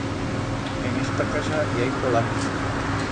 En esta casa i hai polamen.